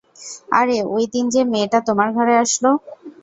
আরে, ওই দিন যে মেয়েটা তোমার ঘরে আসলো।